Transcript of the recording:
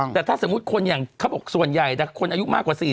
แต่ถ้าสมมุติคนส่วนใหญ่คนอายุมากกว่า๔๐